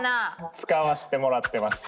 使わしてもらってます。